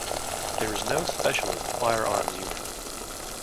There is no specialist firearms unit.